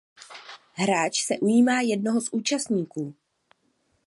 Hráč se ujímá jednoho z účastníků.